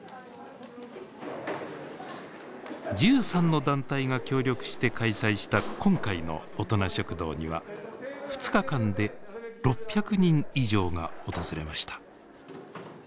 １３の団体が協力して開催した今回の大人食堂には２日間で６００人以上が訪れました。